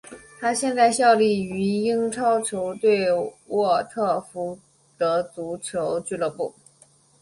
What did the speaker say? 他现在效力于英超球队沃特福德足球俱乐部。